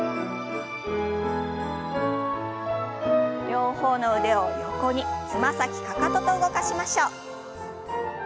両方の腕を横につま先かかとと動かしましょう。